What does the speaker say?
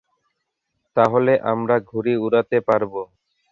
তাহলে আমরা ঘুড়ি উড়াতে পারবো।